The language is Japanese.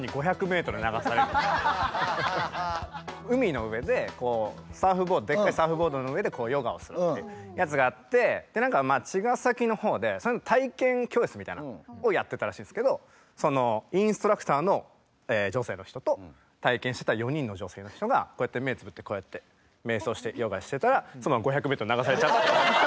海の上でこうでっかいサーフボードの上でヨガをするってやつがあってで何か茅ヶ崎の方でそれの体験教室みたいなのをやってたらしいんですけどそのインストラクターの女性の人と体験してた４人の女性の人がこうやって目つぶってこうやって瞑想してヨガしてたらそのまま５００メートル流されちゃった。